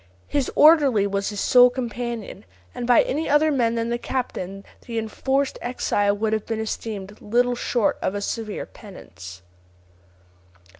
His orderly was his sole companion, and by any other man than the captain the enforced exile would have been esteemed little short of a severe penance.